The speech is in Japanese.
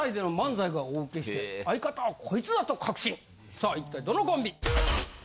さあ一体どのコンビ？